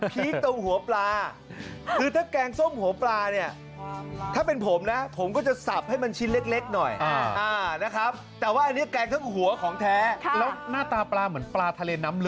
จบกับความรักแค่ภาพ